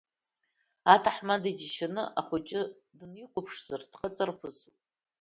Аҭаҳмада иџьашьаны ахәҷы дынихәаԥшызар, дхаҵарԥысуп.